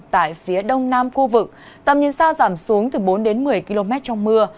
tại phía đông nam khu vực tầm nhìn xa giảm xuống từ bốn đến một mươi km trong mưa